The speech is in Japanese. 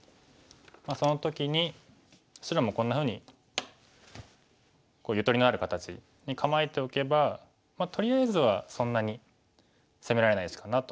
その時に白もこんなふうにゆとりのある形に構えておけばとりあえずはそんなに攻められない石かなと。